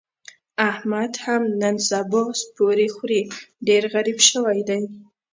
احمد هم نن سبا سپوره خوري، ډېر غریب شوی دی.